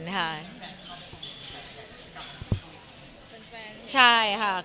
เป็นแฟนเขาหรือเป็นแฟนคุณ